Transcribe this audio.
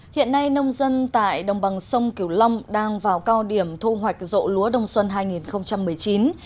hiện nay nông dân tại đồng bằng sông kiều long đang vào cao điểm thu hoạch rộ lúa đông xuân hai nghìn một mươi chín